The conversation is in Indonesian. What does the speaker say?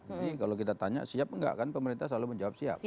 jadi kalau kita tanya siap enggak kan pemerintah selalu menjawab siap